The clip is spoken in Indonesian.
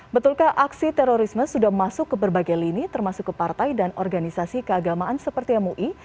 betulkah aksi terorisme sudah masuk ke berbagai lini termasuk ke partai dan organisasi keagamaan seperti mui